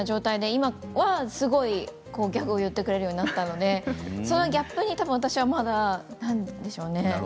今はすごいギャグを言ってくれるようになったのでそのギャップに私は多分まだなんでしょうね。